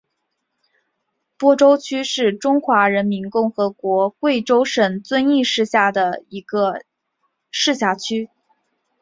播州区是中华人民共和国贵州省遵义市下属的一个市辖区。